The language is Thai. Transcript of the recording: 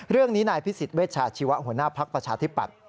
เรื่องนี้นายพิสิทธิเวชาชีวะหัวหน้าภักดิ์ประชาธิปัตย